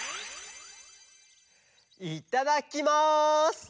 いただきます！